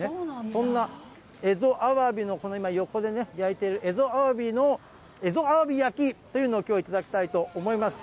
そんな蝦夷アワビの、この横でね、焼いている蝦夷アワビの蝦夷アワビ焼きというのをきょうは頂きたいと思います。